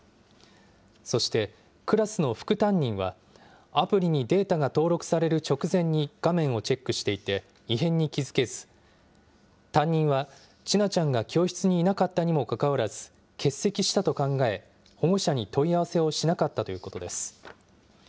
そして、クラスの副担任は、アプリにデータが登録される直前に画面をチェックしていて異変に気付けず、担任は、千奈ちゃんが教室にいなかったにもかかわらず、欠席したと考え、保護者に問い合わせをしなかったということです。